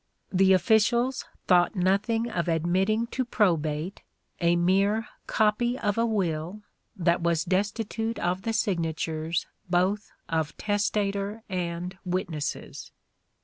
The officials thought nothing of admitting to probate a mere copy of a will that was destitute of the signatures both of testator and witnesses."